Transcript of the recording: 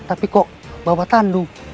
tapi kok bawa tandu